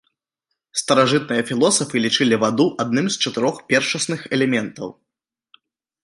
Старажытныя філосафы лічылі ваду адным з чатырох першасных элементаў.